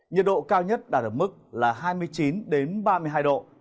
nhiệt độ cao nhất đạt được mức là hai mươi chín đến ba mươi hai độ